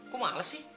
kok males sih